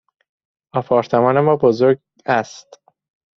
آپارتمان ما بزرگ است.